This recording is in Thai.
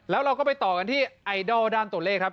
แล้วเราก็ไปต่อกันที่ไอดอลด้านตัวเลขครับ